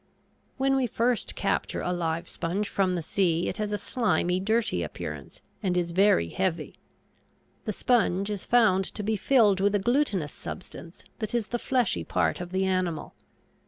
When we first capture a live sponge from the sea it has a slimy, dirty appearance, and is very heavy. The sponge is found to be filled with a glutinous substance that is the fleshy part of the animal.